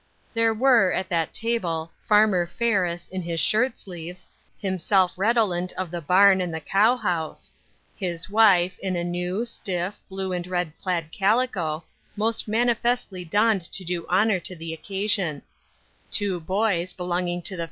There were, at that table. Farmer Ferris, in hi.s shirt sleeves, himself redolent of the barn and the cow house ; his wife, in a new, stiff, blue and red plaid calico, most manifestly donned to do honoi to the occasion ; two boys, belonging to the My Daughters.